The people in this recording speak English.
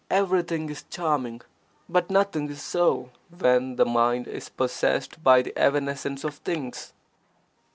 Everything is charming, but nothing is so when the mind is possessed by the evanescence of things.